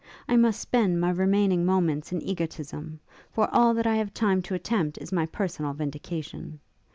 I must spend my remaining moments in egotism; for all that I have time to attempt is my personal vindication.